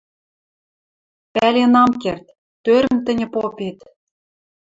«Пӓлен ам керд: тӧрӹм тӹньӹ попет